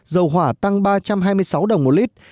dầu hỏa tăng ba trăm hai mươi sáu đồng một lít